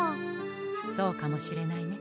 そうかもしれないね。